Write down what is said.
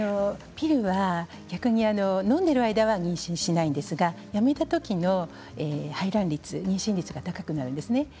ピルは逆にのんでいる間は妊娠しませんがやめたときの排卵率、妊娠率が高くなります。